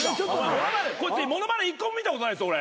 こいつ物まね１個も見たことないっす俺。